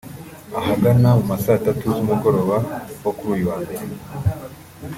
ahagana mu ma saa tatu z’umugoroba wo kuri uyu wa mbere